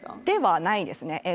ではないですね。